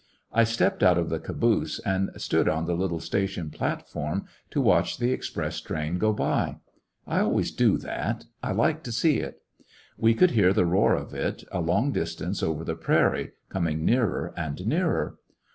I stepped out of the caboose and stood on the little station platform to 95 HecoUections of a watch the express ti ain go by. I always do that 5 I like to see it We could hear the roar of it a long distance over the prairie, coming nearer and nearer.